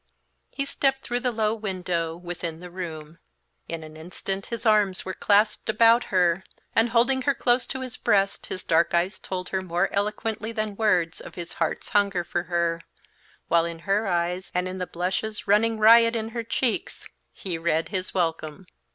He stepped through the low window, within the room. In an instant his arms were clasped about her, and, holding her close to his breast, his dark eyes told her more eloquently than words of his heart's hunger for her, while in her eyes and in the blushes running riot in her cheeks he read his welcome.